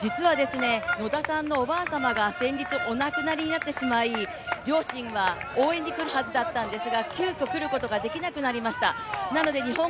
野田さんのおばあさまが先月お亡くなりになってしまい、両親は応援に来るはずだったんですが急きょくることができなくなりました。